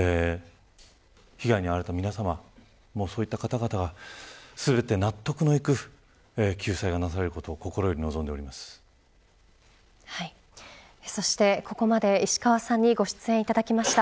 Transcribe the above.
被害に遭われた皆さまそういった方々全て納得のいく救済がなされることをそして、ここまで石川さんにご出演いただきました。